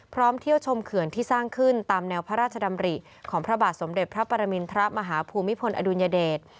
เที่ยวชมเขื่อนที่สร้างขึ้นตามแนวพระราชดำริของพระบาทสมเด็จพระปรมินทรมาฮภูมิพลอดุลยเดช